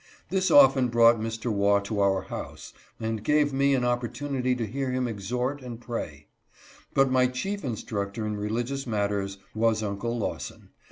This often brought Mr. Waugh to our house, and gave me an opportunity to heaFhim exhort and pray. But my chief instructor in religious matters was Uncle Lawson.